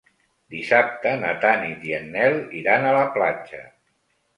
Dissabte na Tanit i en Nel iran a la platja.